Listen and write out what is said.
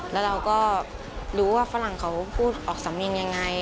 แล้วเราก็รู้ว่าฝรั่งเขาพูดออกสำเนียงยังไง